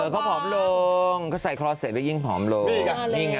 เขาผอมลงเขาใส่คลอสเสร็จก็ยิ่งผอมลง